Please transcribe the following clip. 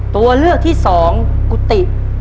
ตัวเลือกที่๒กุฏิ